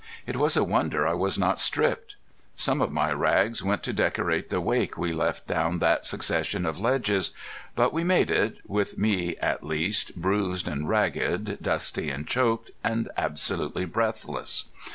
It was a wonder I was not stripped. Some of my rags went to decorate the wake we left down that succession of ledges. But we made it, with me at least, bruised and ragged, dusty and choked, and absolutely breathless.